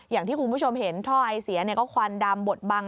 อย่างที่คุณผู้ชมเห็นท่อไอเสียก็ควันดำบดบัง